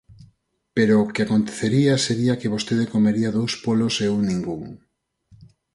Pero o que acontecería sería que vostede comería dous polos e eu ningún.